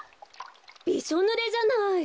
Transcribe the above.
びしょぬれじゃない！